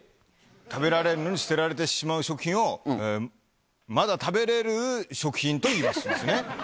食べられるのに捨てられてしまう食品を、まだ食べれる食品と言いますですね。